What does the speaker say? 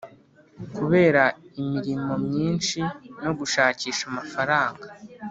kubera imirimo myinshi no gushakisha amafaranga.